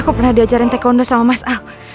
gue pernah diajarin taekwondo sama mas al